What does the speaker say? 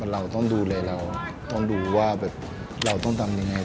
เราต้องดูแลเราต้องดูว่าแบบเราต้องทำยังไง